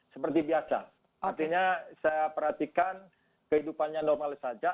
seperti biasa artinya saya perhatikan kehidupannya normal saja